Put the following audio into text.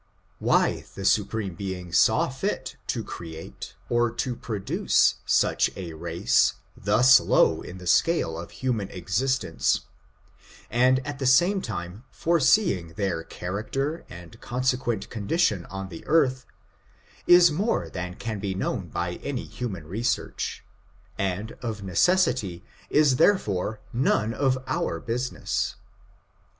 Why the Supreme Being saw fit to create oi to I FORTUNES, OF THE NEGRO RACE. 99 produce such a race thus low in the scale of human existence, and at the same time foreseeing their char acter and consequent condition on the earth, is more than can be known by human research, and, of neces sity, is therefore none of our business.